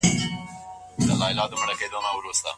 په لاس لیکلنه د انساني اړیکو د دوام سبب ګرځي.